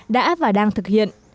đã và đang thực hiện